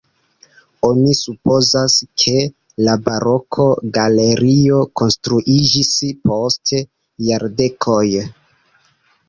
Oni supozas, ke la baroka galerio konstruiĝis post jardekoj.